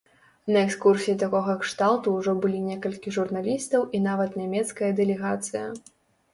На экскурсіі такога кшталту ўжо былі некалькі журналістаў і нават нямецкая дэлегацыя.